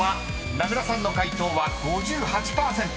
［名倉さんの解答は５８％］